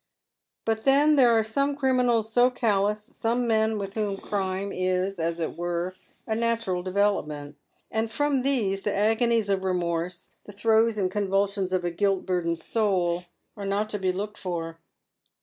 But then there are some criminals so callous, some men with whom crime is, as it were, a natural development ; and from these the agoniesof remorse, the throes and convulsions of a guilt burdened jouh are not to be looked for.